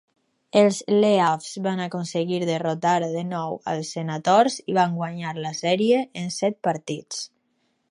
Els Leafs van aconseguir derrotar de nou als Senators i van guanyar la sèrie en set partits.